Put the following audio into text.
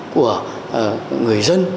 của người dân